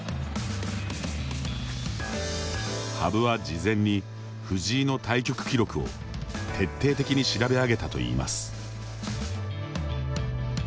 羽生は事前に藤井の対局記録を徹底的に調べ上げたといいます。